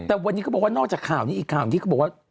แต่วันนี้เขาบอกว่านอกจากข่าวหนึ่งอีกข่าวหนึ่ง